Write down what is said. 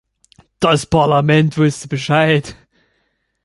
Das Parlament wusste Bescheid.